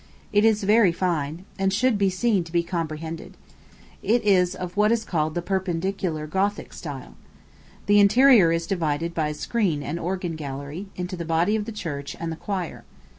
It is very fine, and should be seen to be comprehended. It is of what is called the perpendicular Gothic style. The interior is divided by a screen and organ gallery, into the body of the church, and the choir.